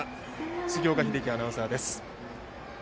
杉岡英樹アナウンサーです。